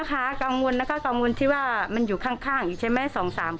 กังวลแล้วก็กังวลที่ว่ามันอยู่ข้างอีกใช่ไหม